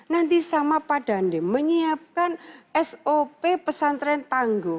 nanti sama pak dande menyiapkan sop pesan tren tangguh